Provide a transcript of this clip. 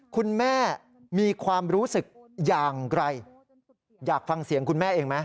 คุณแม่มีความรู้สึกอย่างไรอยากฟังเสียงคุณแม่เองไหม